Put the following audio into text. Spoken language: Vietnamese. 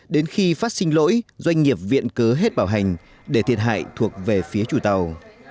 đến khi phát sinh lỗi doanh nghiệp viện cớ hết bảo hành để thiệt hại thuộc về phía chủ tàu